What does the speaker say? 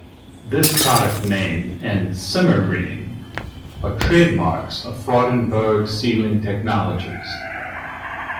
This product name and "Simmer-Ring" are trademarks of Freudenberg Sealing Technologies.